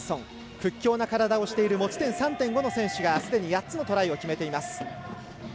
屈強な体をしている持ち点３．５の選手がすでに８つのトライを決めています。